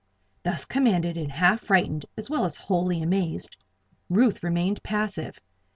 Thus commanded, and half frightened, as well as wholly amazed, Ruth remained passive.